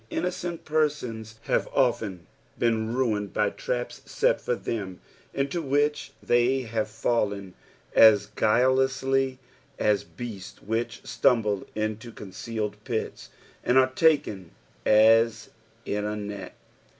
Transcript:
Innocent persons have often been ruined by traps set for lliem, into which they have fallen as guilelessly as beasts which stumble into concealed jHts, and are taken bb in a net.